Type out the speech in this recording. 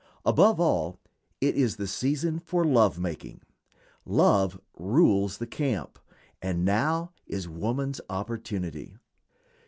Above all, it is the season for love making; "love rules the camp," and now is woman's opportunity.